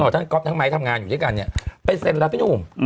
ท่านครับทั้งไม้ทำงานอยู่ด้วยกันเนี่ยเป็นเซ็นรับรองบุตร